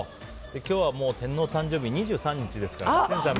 今日は天皇誕生日２３日ですから。